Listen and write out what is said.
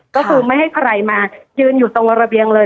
ก็คือไม่ให้ใครมายืนอยู่ตรงระเบียงเลย